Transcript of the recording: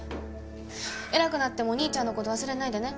偉くなってもお兄ちゃんの事忘れないでね。